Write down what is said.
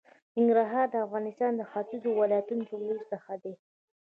ننګرهار د افغانستان د ختېځو ولایتونو د جملې څخه دی.